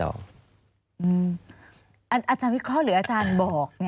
อาจารย์วิเคราะห์หรืออาจารย์บอก